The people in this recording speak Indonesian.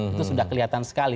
itu sudah kelihatan sekali